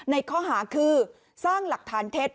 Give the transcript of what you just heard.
ในข้อหาคือสร้างหลักฐานเท็จ